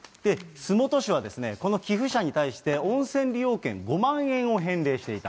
洲本市は、この寄付者に対して、温泉利用券５万円を返礼していた。